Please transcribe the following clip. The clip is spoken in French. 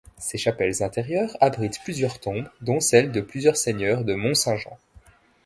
Ses chapelles intérieures abritent plusieurs tombes, dont celles de plusieurs seigneurs de Mont-Saint-Jean.